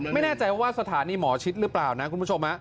ไม่แน่ใจว่าสถานีหมอชิดหรือเปล่านะคุณผู้ชม